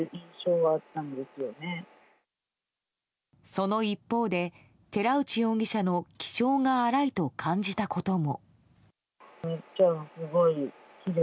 その一方で、寺内容疑者の気性が荒いと感じたことも。